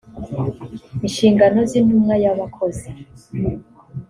inshingano z intumwa y abakozi